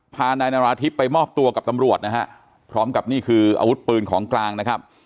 พานายนาราธิบไปมอบตัวกับตำรวจนะฮะพร้อมกับนี่คืออาวุธปืนของกลางนะครับ